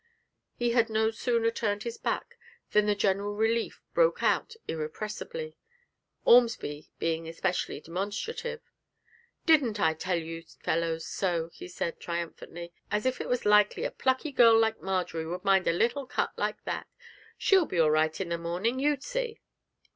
He had no sooner turned his back than the general relief broke out irrepressibly; Ormsby being especially demonstrative. 'Didn't I tell you fellows so?' he said triumphantly; 'as if it was likely a plucky girl like Marjory would mind a little cut like that. She'll be all right in the morning, you see!'